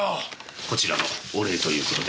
こちらのお礼という事で。